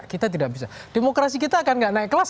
kita tidak bisa demokrasi kita akan nggak naik kelas